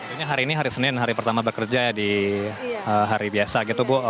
ini hari ini hari senin hari pertama bekerja ya di hari biasa gitu bu